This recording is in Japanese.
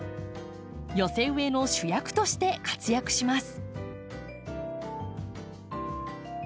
寄せ植えの主役として活躍します。